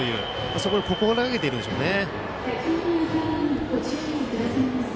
それを心がけているんでしょうね。